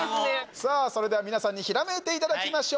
さあそれでは皆さんにひらめいていただきましょう。